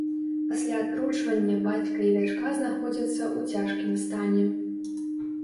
Пасля атручвання бацька і дачка знаходзяцца ў цяжкім стане.